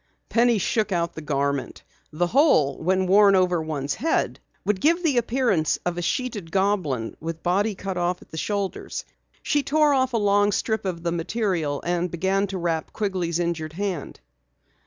Penny shook out the garment. The whole, when worn over one's head, would give an appearance of a sheeted goblin with body cut off at the shoulders. She tore off a long strip of the material and began to wrap Quigley's injured hand.